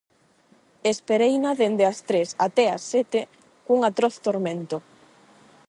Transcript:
Espereina dende as tres até as sete cun atroz tormento.